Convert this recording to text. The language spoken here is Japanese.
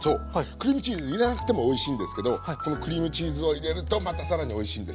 クリームチーズ入れなくてもおいしいんですけどこのクリームチーズを入れるとまた更においしいんですよ。